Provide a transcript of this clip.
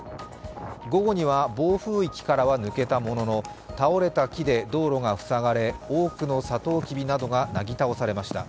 午後には暴風域からは抜けたものの倒れた目で道路が塞がれ多くのさとうきびなどがなぎ倒されました。